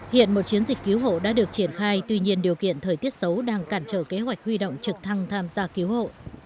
hiện một chiến dịch cứu hộ đã được triển khai tuy nhiên điều kiện thời tiết xấu đang cản trở kế hoạch huy động trực thăng tham gia cứu hộ